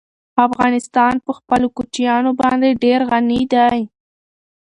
افغانستان په خپلو کوچیانو باندې ډېر غني دی.